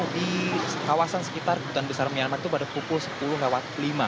di kawasan sekitar kedutaan besar myanmar itu pada pukul sepuluh lewat lima